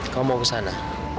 kamu mau kesana